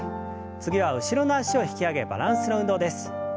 次は後ろの脚を引き上げバランスの運動です。